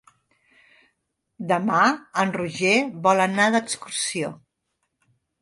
Demà en Roger vol anar d'excursió.